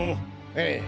ええ。